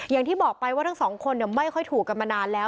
อย่างที่บอกไปว่าทั้งสองคนไม่ค่อยถูกกันมานานแล้ว